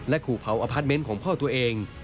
ขู่เผาอพาร์ทเมนต์ของพ่อตัวเอง